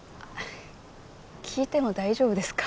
聞いても大丈夫ですか？